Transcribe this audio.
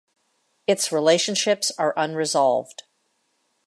Its relationships are unresolved.